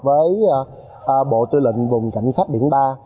với bộ tư lệnh vùng cảnh sát biển ba